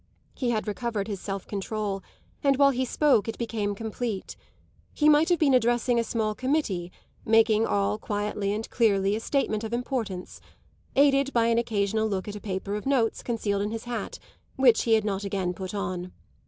He had recovered his self control, and while he spoke it became complete. He might have been addressing a small committee making all quietly and clearly a statement of importance; aided by an occasional look at a paper of notes concealed in his hat, which he had not again put on.